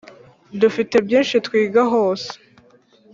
dufite byinshi twiga hose